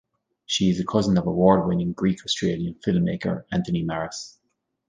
She is a cousin of award-winning Greek Australian filmmaker Anthony Maras.